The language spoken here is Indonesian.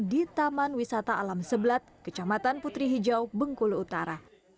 di taman wisata alam sebelat kecamatan putri hijau bengkulu utara